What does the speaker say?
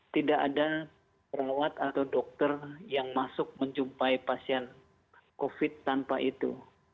tidak ada perawat atau dokter yang masuk menjumpai pasien covid tanpa itu